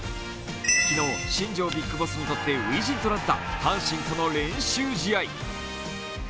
昨日、新庄ビッグボスにとって初陣となった阪神との練習試合。